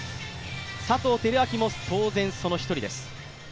佐藤輝明も当然その１人です。